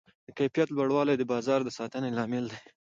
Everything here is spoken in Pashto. د کیفیت لوړوالی د بازار د ساتنې لامل دی.